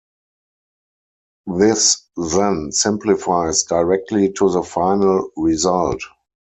This then simplifies directly to the final result.